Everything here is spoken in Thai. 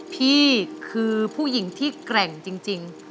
พี่คือผู้หญิงที่แกร่งจริง